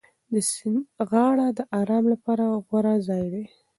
د سیند غاړه د ارام لپاره غوره ځای دی.